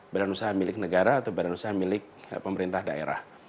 badan usaha milik negara atau badan usaha milik pemerintah daerah